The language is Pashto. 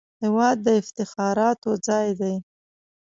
هېواد د افتخاراتو ځای دی